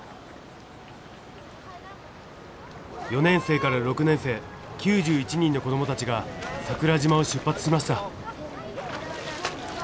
４年生から６年生９１人の子どもたちが桜島を出発しました。